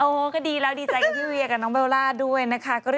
โอ้โหก็ดีแล้วดีใจกับพี่เวียกับน้องเบลล่าด้วยนะคะ